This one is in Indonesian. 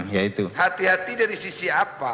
yaitu hati hati dari sisi apa